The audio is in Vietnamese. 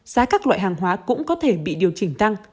giá các loại hàng hóa cũng có thể bị điều chỉnh tăng